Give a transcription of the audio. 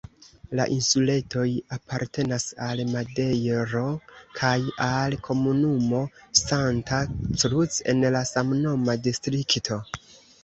La insuletoj apartenas al Madejro kaj al komunumo Santa Cruz en la samnoma distrikto.